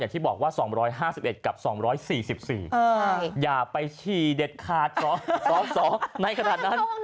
ที่บอกว่า๒๕๑กับ๒๔๔อย่าไปฉี่เด็ดขาดสอสอในขณะนั้น